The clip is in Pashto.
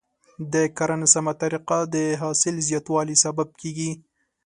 د کرنې سمه طریقه د حاصل زیاتوالي سبب کیږي.